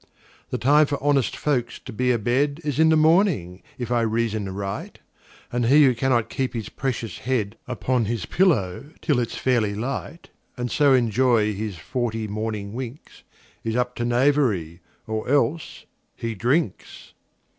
The time for honest folks to be a bedIs in the morning, if I reason right; And he who cannot keep his precious headUpon his pillow till it 's fairly light, And so enjoy his forty morning winks, Is up to knavery; or else—he drinks!